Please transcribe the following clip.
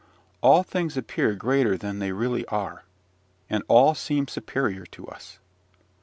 All things appear greater than they really are, and all seem superior to us.